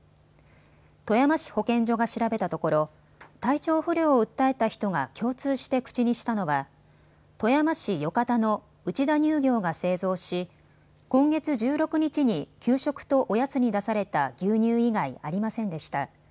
富山市保健所が調べたところ体調不良を訴えた人が共通して口にしたのは富山市四方の内田乳業が製造し今月１６日に給食とおやつに出された牛乳以外ありませんでした。